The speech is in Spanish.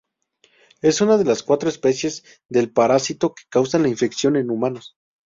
Es una de las cuatro especies del parásito que causa la infección en humanos.